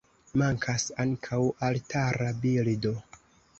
Mankas ankaŭ altara bildo.